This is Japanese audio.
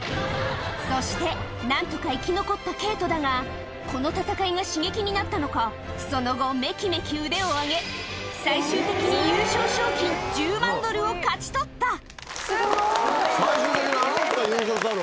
そして何とか生き残ったケイトだがこの戦いが刺激になったのかその後めきめき腕を上げ最終的に最終的にあの人が優勝したの？